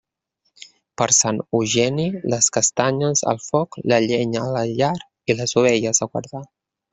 Per Sant Eugeni, les castanyes al foc, la llenya a la llar i les ovelles a guardar.